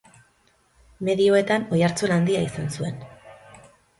Medioetan oihartzun handia izan zuen.